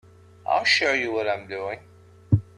I'll show you what I'm doing.